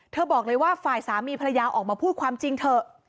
บอกเลยว่าฝ่ายสามีภรรยาออกมาพูดความจริงเถอะ